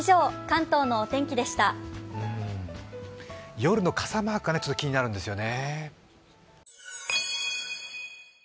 夜の傘マークがちょっと気になるんですよね。